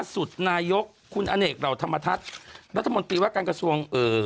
สุดนายกคุณอเนกเหล่าธรรมทัศน์รัฐมนตรีว่าการกระทรวงเอ่อ